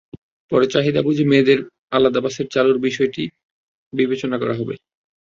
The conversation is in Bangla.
পরে চাহিদা বুঝে মেয়েদের আলাদা বাস চালুর বিষয়টি বিবেচনা করা হবে।